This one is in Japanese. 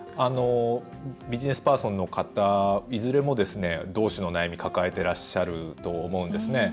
ビジネスパーソンの方いずれも同種の悩みを抱えてらっしゃると思うんですね。